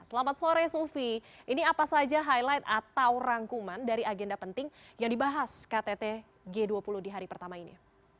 selamat sore sufi ini apa saja highlight atau rangkuman dari agenda penting yang dibahas ktt g dua puluh di hari pertama ini